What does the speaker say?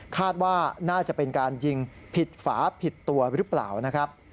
คาดว่าน่าจะเป็นการยิงผิดฝาผิดตัวหรือเปล่านะครับ